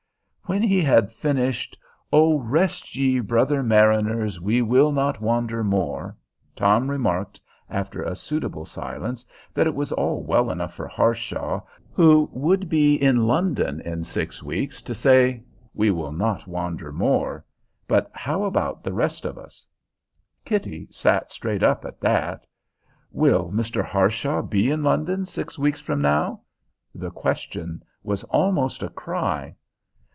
When he had finished, "O rest ye, brother mariners; we will not wander more!" Tom remarked, after a suitable silence, that it was all well enough for Harshaw, who would be in London in six weeks, to say, "We will not wander more!" But how about the rest of us? Kitty sat straight up at that. "Will Mr. Harshaw be in London six weeks from now?" The question was almost a cry.